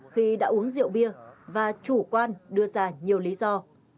khi đã uống rượu bia và chủ quan đưa ra nhiều lý do